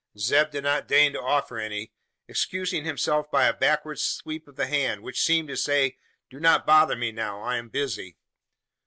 Zeb did not deign to offer any excusing himself by a backward sweep of the hand, which seemed to say, "Do not bother me now: I am busy."